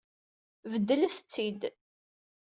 Beddlet-t-id.